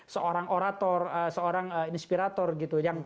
seorang orator seorang inspirator gitu